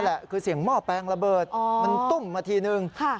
แหละคือเสียงหม้อแปลงระเบิดมันตุ้มมาทีนึง